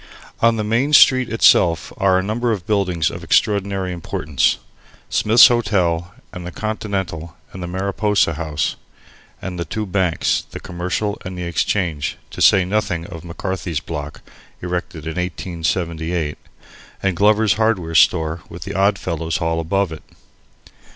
On the Main Street itself are a number of buildings of extraordinary importance, Smith's Hotel and the Continental and the Mariposa House, and the two banks (the Commercial and the Exchange), to say nothing of McCarthy's Block (erected in 1878), and Glover's Hardware Store with the Oddfellows' Hall above it.